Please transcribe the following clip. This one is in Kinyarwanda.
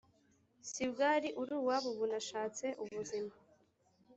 sibwari uruwabo ubu nashatse ubuzima